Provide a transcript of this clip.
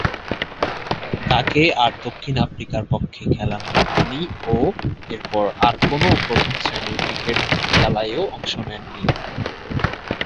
তাকে আর দক্ষিণ আফ্রিকার পক্ষে খেলানো হয়নি ও এরপর আর কোন প্রথম-শ্রেণীর ক্রিকেট খেলায়ও অংশ নেননি।